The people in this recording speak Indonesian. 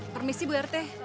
permisi bu rete